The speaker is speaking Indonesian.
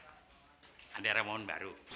jeng ada era momen baru